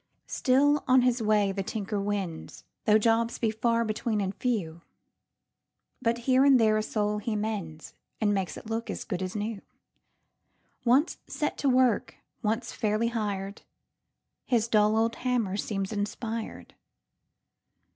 Still on his way the tinker wends, Though jobs be far between and few; But here and there a soul he mendsAnd makes it look as good as new. Once set to work, once fairly hir'd, His dull old hammer seems inspir'd.